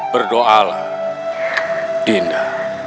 berdoa lah dinda